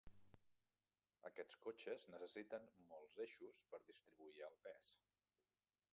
Aquests cotxes necessiten molts eixos per distribuir el pes.